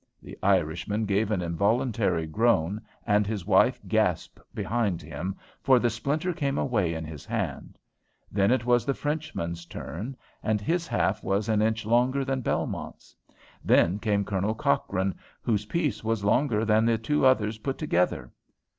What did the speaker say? The Irishman gave an involuntary groan, and his wife gasped behind him, for the splinter came away in his hand. Then it was the Frenchman's turn, and his was half an inch longer than Belmont's. Then came Colonel Cochrane, whose piece was longer than the two others put together.